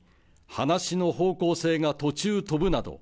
「話の方向性が途中とぶなど」